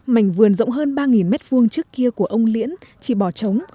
mảnh vườn rộng hơn ba m hai trước kia của ông liễn chỉ bỏ trống